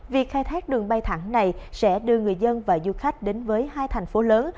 việc khai thác đường bay thẳng này sẽ đưa người dân và du khách đến với hai thành phố lớn